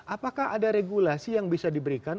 apakah ada regulasi yang bisa diberikan